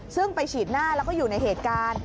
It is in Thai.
ซึ่งไปฉีดหน้าแล้วก็อยู่ในเหตุการณ์